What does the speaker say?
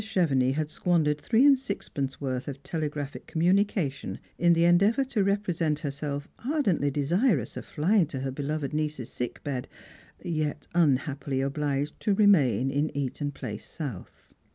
Chevenix had squandered three and sixpence worth of telegraphic communication in the endeavour to represent herself ardently desii ous of flying to her beloved niece's sick bed, yet unhappily obliged to remain in Eaton place south.